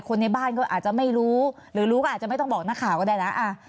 ในบ้านก็อาจจะไม่รู้หรือรู้ก็อาจจะไม่ต้องบอกนักข่าวก็ได้นะ